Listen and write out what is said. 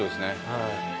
はい。